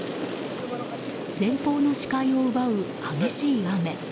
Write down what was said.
前方の視界を奪う激しい雨。